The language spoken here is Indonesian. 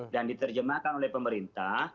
dan diterjemahkan oleh pemerintah